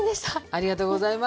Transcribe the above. ありがとうございます。